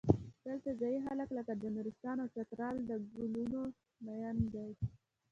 دلته ځايي خلک لکه د نورستان او چترال پر ګلونو مین دي.